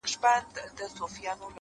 خو نن د زړه له تله _